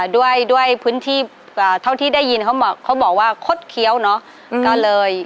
ด้วยพื้นที่เท่าที่ได้ยินเขาบอกว่าคดเคี้ยวเนอะก็เลย